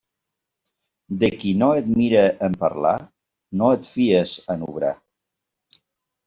De qui no et mire en parlar, no et fies en obrar.